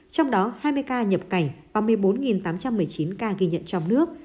trong đó hai mươi ca nhập cảnh và một mươi bốn tám trăm một mươi chín ca ghi nhận trong nước